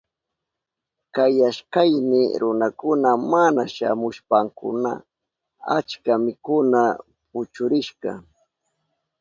Kayashkayni runakuna mana shamushpankuna achka mikuna puchurishka.